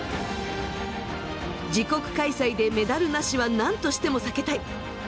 自国開催でメダルなしは何としても避けたい。